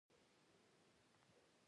سیالي او هڅه پرمختګ ګړندی کوي.